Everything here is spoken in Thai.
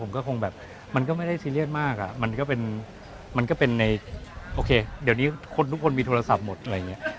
ผมก็คงแบบมันก็ไม่ได้ซีเรียสมากอ่ะมันก็เป็นมันก็เป็นในโอเคเดี๋ยวนี้คนทุกคนมีโทรศัพท์หมดอะไรอย่างนี้